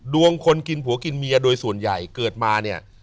คนกินผัวกินเมียโดยส่วนใหญ่เกิดมาเนี่ย